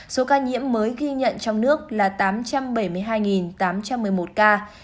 số ca nhiễm mới ghi nhận trong nước là tám trăm bảy mươi hai tám trăm một mươi một ca